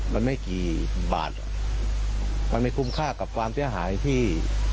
มันไม่กี่บาทมันไม่คุ้มค่ากับความเสียหายที่